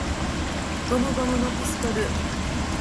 ゴムゴムのピストル!!!